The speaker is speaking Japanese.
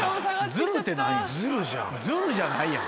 ズルじゃないやん。